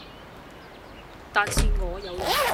但是我有勇氣，